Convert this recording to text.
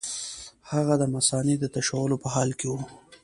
هغه د مثانې د تشولو په حال کې وو.